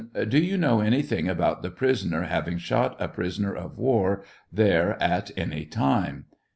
Do you know anything about the prisoner having shot a prisoner of war there at any time